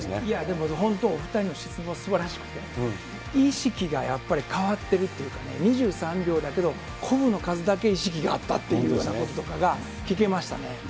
いや本当、お２人の質問すばらしくて、意識がやっぱり変わっているというかね、２３秒だけど、こぶの数だけ意識があったというようなこととかが聞けましたね。